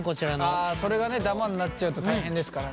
あそれがダマになっちゃうと大変ですからね。